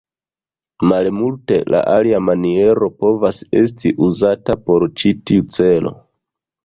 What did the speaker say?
Malmulte la alia maniero povas esti uzata por ĉi tiu celo.